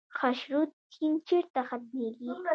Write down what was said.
خاشرود سیند چیرته ختمیږي؟